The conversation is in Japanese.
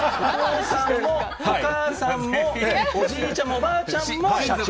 お父さんもお母さんも、おじいちゃんも、おばあちゃんも社長。